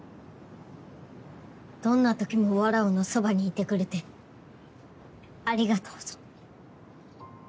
どんな時もわらわのそばにいてくれてありがとうぞ。